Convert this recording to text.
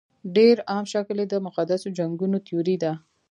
ډېر عام شکل یې د مقدسو جنګونو تیوري ده.